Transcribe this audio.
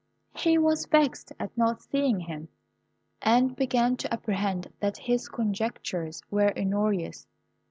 He was vexed at not seeing him, and began to apprehend that his conjectures were erroneous.